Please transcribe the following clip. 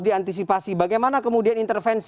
diantisipasi bagaimana kemudian intervensi